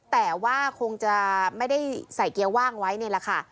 แต่ว่าคงจะไม่ได้ใส่เกียร์ว่างไว้นี่แหละค่ะ